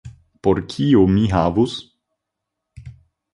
Por kio mi havus?